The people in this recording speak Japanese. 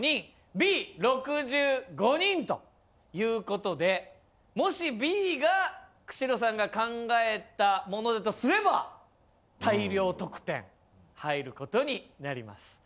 Ｂ６５人ということでもしＢが久代さんが考えたものだとすれば大量得点入ることになります。